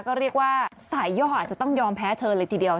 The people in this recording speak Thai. ก็เรียกว่าสายย่ออาจจะต้องยอมแพ้เธอเลยทีเดียว